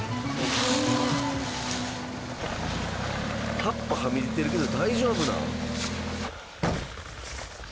葉っぱはみ出てるけど大丈夫なん？